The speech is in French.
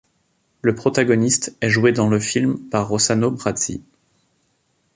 Le protagoniste est joué dans le film par Rossano Brazzi.